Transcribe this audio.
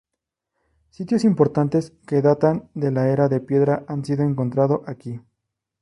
Sitios importantes que datan de la era de piedra han sido encontrado aquí.